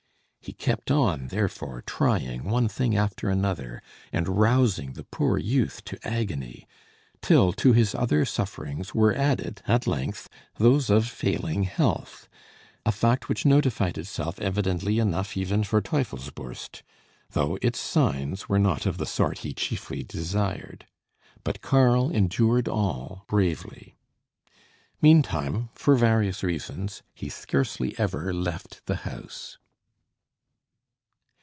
He kept on, therefore, trying one thing after another, and rousing the poor youth to agony; till to his other sufferings were added, at length, those of failing health; a fact which notified itself evidently enough even for Teufelsbürst, though its signs were not of the sort he chiefly desired. But Karl endured all bravely. Meantime, for various reasons, he scarcely ever left the house.